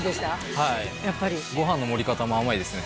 はいご飯の盛り方も甘いですね